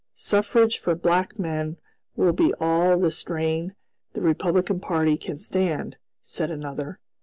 "Suffrage for black men will be all the strain the Republican party can stand," said another.